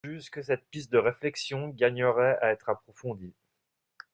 Ils jugent que cette piste de réflexion gagnerait à être approfondie.